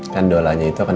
kan dolanya itu akan